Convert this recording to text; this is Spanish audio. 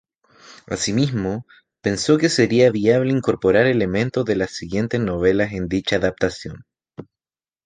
Asimismo, pensó que sería viable incorporar elementos de las siguientes novelas en dicha adaptación.